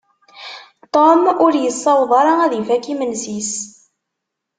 Tom ur yessaweḍ ara ad ifakk imensi-s.